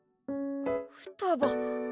ふたば。